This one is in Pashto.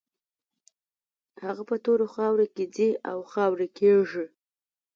هغه په تورو خاورو کې ځي او خاورې کېږي.